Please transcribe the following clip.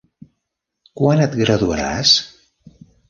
Quan et graduaràs?